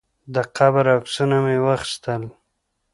د قبر عکسونه مې واخیستل.